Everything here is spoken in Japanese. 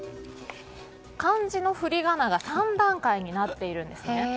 漢字の振り仮名が３段階になっているんですね。